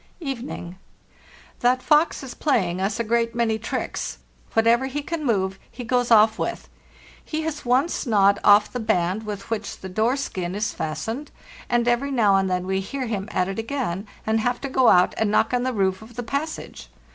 "Evening. That fox is playing us a great many tricks; whatever he can move he goes off with. He has once gnawed off the band with which the door skin is fastened, and every now and then we hear him at it again, and have to go out and knock on the roof of the passage.